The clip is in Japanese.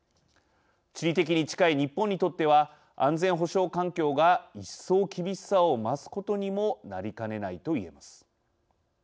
地理的に近い日本にとっては安全保障環境がいっそう厳しさを増すことにもなりかねないと言えます。